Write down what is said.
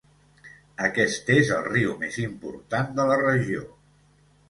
Aquest és el riu més important de la regió.